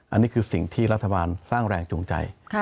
อันนี้คือสิ่งที่รัฐบาลสร้างแรงจูงใจ